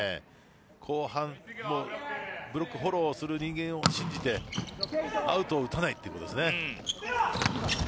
後半もブロックフォローする人間を信じてアウトを打たないということですね。